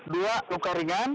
dua luka ringan